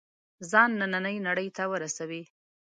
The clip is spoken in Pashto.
ځان نننۍ نړۍ ته ورسوي.